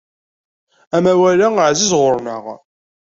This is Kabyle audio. Amawal-a ɛziz ɣur-neɣ.